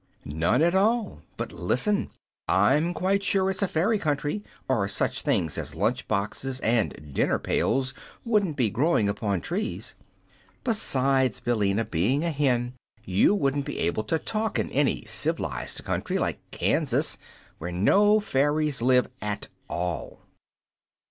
"None at all. But listen: I'm quite sure it's a fairy country, or such things as lunch boxes and dinner pails wouldn't be growing upon trees. Besides, Billina, being a hen, you wouldn't be able to talk in any civ'lized country, like Kansas, where no fairies live at all."